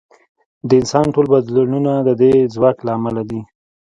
د انسان ټول بدلونونه د دې ځواک له امله دي.